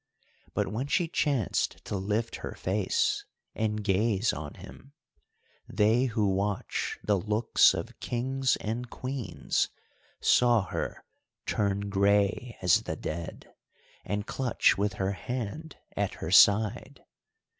But when she chanced to lift her face, and gaze on him, they who watch the looks of kings and queens saw her turn grey as the dead, and clutch with her hand at her side.